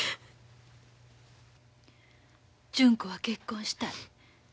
純子は結婚したい。